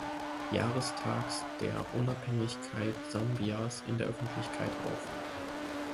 Jahrestags der Unabhängigkeit Sambias in der Öffentlichkeit auf.